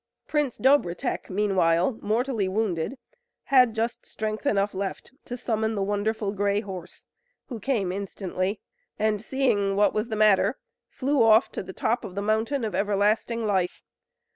Prince Dobrotek meanwhile, mortally wounded, had just strength enough left to summon the Wonderful Grey Horse, who came instantly; and seeing what was the matter, flew off to the top of the mountain of Everlasting Life.